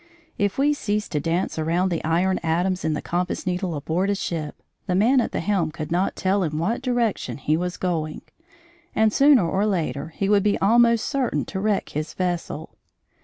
If we ceased to dance around the iron atoms in the compass needle aboard a ship, the man at the helm could not tell in what direction he was going, and sooner or later he would be almost certain to wreck his vessel.